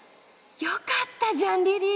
よかったじゃん梨々。